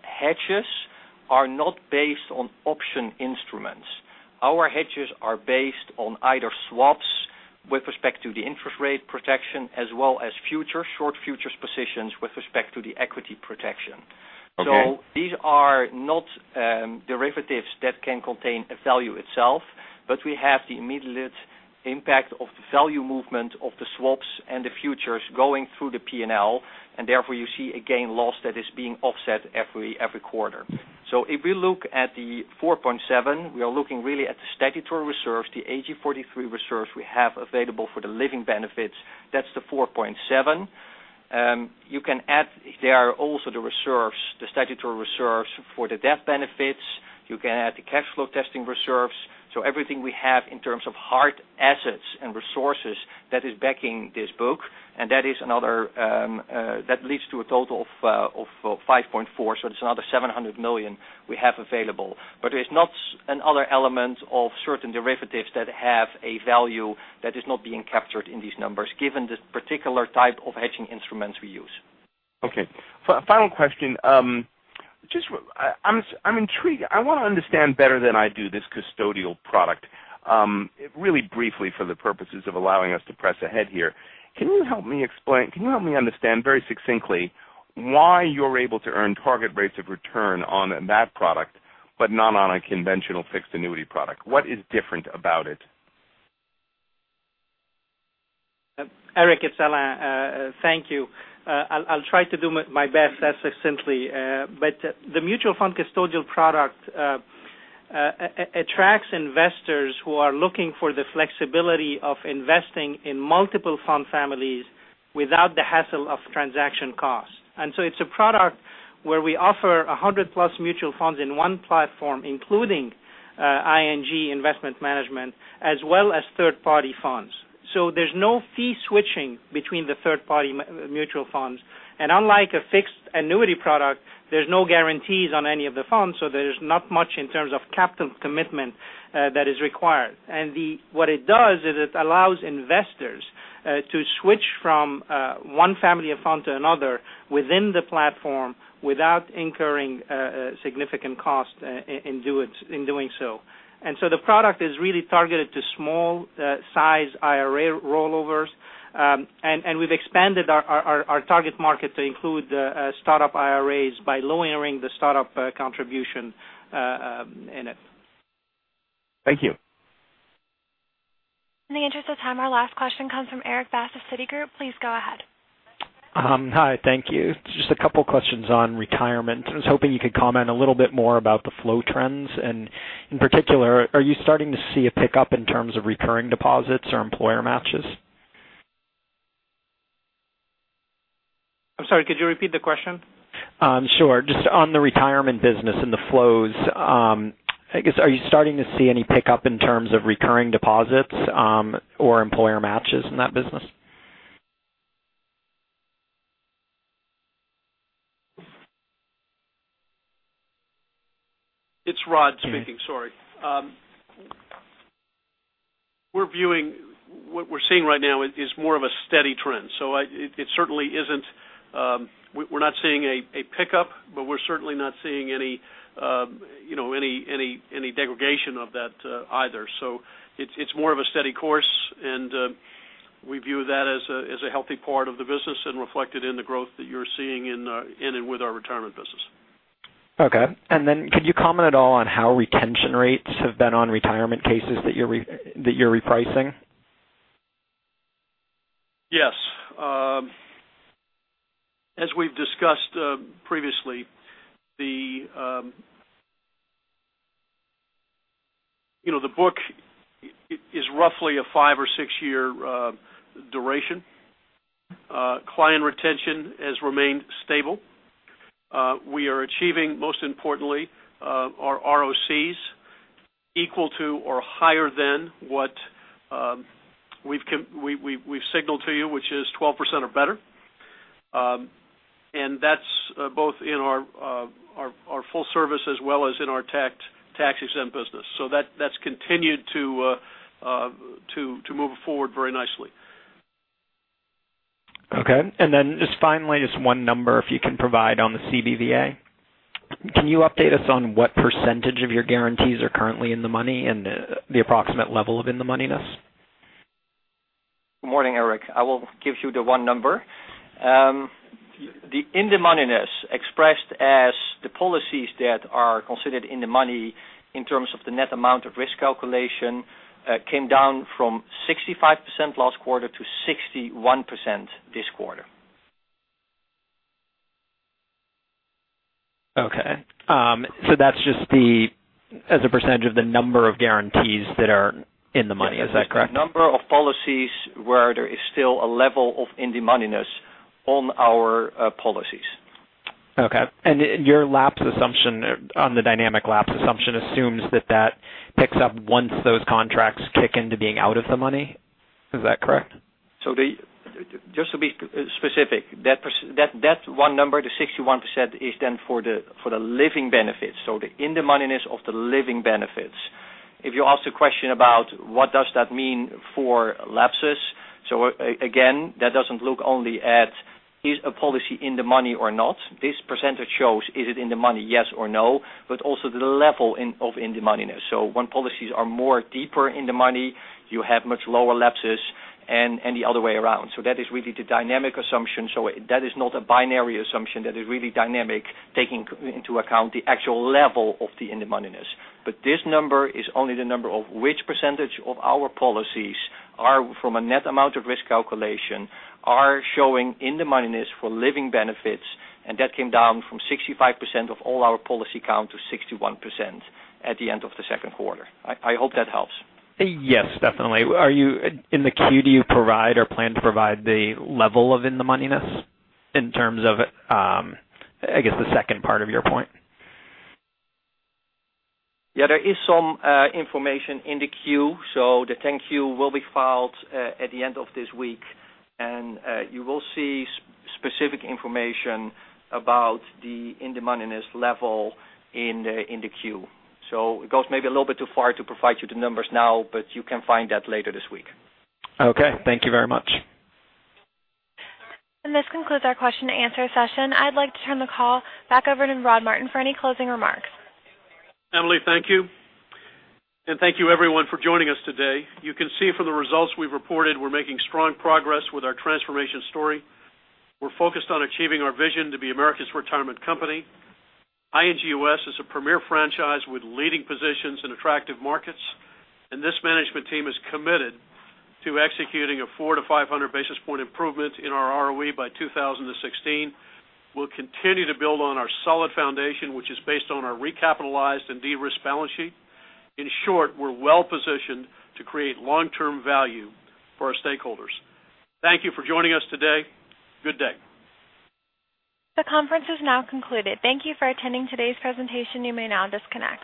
hedges are not based on option instruments. Our hedges are based on either swaps with respect to the interest rate protection as well as future short futures positions with respect to the equity protection. Okay. These are not derivatives that can contain a value itself, but we have the immediate impact of the value movement of the swaps and the futures going through the P&L, and therefore you see a gain loss that is being offset every quarter. If we look at the $4.7, we are looking really at the statutory reserves, the AG 43 reserves we have available for the living benefits. That's the $4.7. There are also the reserves, the statutory reserves for the death benefits. You can add the cash flow testing reserves. Everything we have in terms of hard assets and resources that is backing this book, and that leads to a total of $5.4. That's another $700 million we have available. There is not another element of certain derivatives that have a value that is not being captured in these numbers, given the particular type of hedging instruments we use. Okay. Final question. I want to understand better than I do this custodial product. Really briefly for the purposes of allowing us to press ahead here, can you help me understand very succinctly why you're able to earn target rates of return on that product, but not on a conventional fixed annuity product? What is different about it? Eric, it's Alain. Thank you. I'll try to do my best as succinctly. The mutual fund custodial product attracts investors who are looking for the flexibility of investing in multiple fund families without the hassle of transaction costs. It's a product where we offer 100+ mutual funds in one platform, including ING Investment Management, as well as third-party funds. There's no fee switching between the third-party mutual funds. Unlike a fixed annuity product, there's no guarantees on any of the funds, so there's not much in terms of capital commitment that is required. What it does is it allows investors to switch from one family of fund to another within the platform without incurring significant cost in doing so. The product is really targeted to small size IRA rollovers. We've expanded our target market to include startup IRAs by lowering the startup contribution in it. Thank you. In the interest of time, our last question comes from Erik Bass of Citigroup. Please go ahead. Hi. Thank you. Just a couple questions on retirement. I was hoping you could comment a little bit more about the flow trends. In particular, are you starting to see a pickup in terms of recurring deposits or employer matches? I'm sorry, could you repeat the question? Sure. Just on the retirement business and the flows, I guess, are you starting to see any pickup in terms of recurring deposits or employer matches in that business? It's Rod speaking, sorry. What we're seeing right now is more of a steady trend. We're not seeing a pickup, but we're certainly not seeing any degradation of that either. It's more of a steady course, and we view that as a healthy part of the business and reflected in the growth that you're seeing in and with our retirement business. Okay. Could you comment at all on how retention rates have been on retirement cases that you're repricing? Yes. As we've discussed previously, the book is roughly a five or six-year duration. Client retention has remained stable. We are achieving, most importantly, our ROCs equal to or higher than what we've signaled to you, which is 12% or better. That's both in our full service as well as in our tax-exempt business. That's continued to move forward very nicely. Okay. Then just finally, just one number if you can provide on the CBVA. Can you update us on what percentage of your guarantees are currently in the money and the approximate level of in-the-moneyness? Good morning, Erik. I will give you the one number. The in-the-moneyness expressed as the policies that are considered in the money in terms of the net amount of risk calculation, came down from 65% last quarter to 61% this quarter. Okay. That's just as a percentage of the number of guarantees that are in the money. Is that correct? Number of policies where there is still a level of in-the-moneyness on our policies. Okay. Your lapse assumption on the dynamic lapse assumption assumes that that picks up once those contracts kick into being out of the money. Is that correct? Just to be specific, that one number, the 61%, is then for the living benefits, the in-the-moneyness of the living benefits. If you ask the question about what does that mean for lapses, again, that doesn't look only at is a policy in the money or not. This percentage shows is it in the money, yes or no, but also the level of in-the-moneyness. When policies are more deeper in the money, you have much lower lapses, and the other way around. That is really the dynamic assumption. That is not a binary assumption. That is really dynamic, taking into account the actual level of the in-the-moneyness. This number is only the number of which percentage of our policies are from a net amount of risk calculation are showing in-the-moneyness for living benefits, and that came down from 65% of all our policy count to 61% at the end of the second quarter. I hope that helps. Yes, definitely. In the Q, do you provide or plan to provide the level of in-the-moneyness in terms of, I guess, the second part of your point? Yeah, there is some information in the Q. The 10-Q will be filed at the end of this week, and you will see specific information about the in-the-moneyness level in the Q. It goes maybe a little bit too far to provide you the numbers now, but you can find that later this week. Okay. Thank you very much. This concludes our question and answer session. I'd like to turn the call back over to Rod Martin for any closing remarks. Emily, thank you. Thank you, everyone, for joining us today. You can see from the results we've reported we're making strong progress with our transformation story. We're focused on achieving our vision to be America's retirement company. ING U.S. is a premier franchise with leading positions in attractive markets, and this management team is committed to executing a 400-500 basis point improvement in our ROE by 2016. We'll continue to build on our solid foundation, which is based on our recapitalized and de-risked balance sheet. In short, we're well-positioned to create long-term value for our stakeholders. Thank you for joining us today. Good day. The conference is now concluded. Thank you for attending today's presentation. You may now disconnect.